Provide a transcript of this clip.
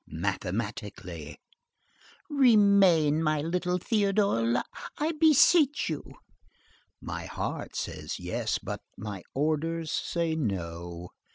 "Mathematically!" "Remain, my little Théodule, I beseech you." "My heart says 'yes,' but my orders say 'no.